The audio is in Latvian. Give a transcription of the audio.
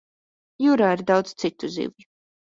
Jūrā ir daudz citu zivju.